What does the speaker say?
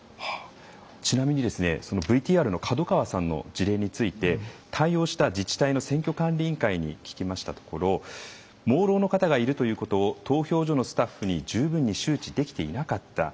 ちなみに、ＶＴＲの門川さんの事例について対応した自治体の選挙管理委員会に聞きましたところ「盲ろうの方がいるということを投票所のスタッフに十分に周知できていなかった」。